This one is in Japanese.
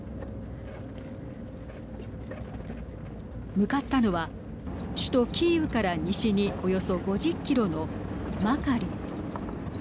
向かったのは首都キーウから西におよそ５０キロのマカリウ。